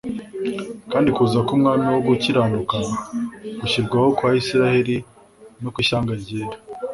kandi kuza k'umwami wo gukiranuka, gushyirwaho kwa Isiraeli, n'ukw'ishyanga ryera,